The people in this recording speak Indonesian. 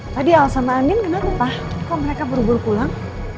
tadi al sama andin kenapa pak kok mereka buru buru pulang